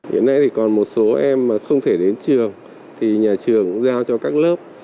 hiện nay thì còn một số em mà không thể đến trường thì nhà trường cũng giao cho các lớp